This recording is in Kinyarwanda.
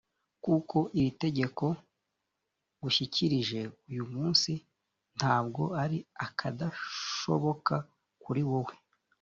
koko, iri tegeko ngushyikirije uyu munsi nta bwo ari akadashoboka kuri wowe,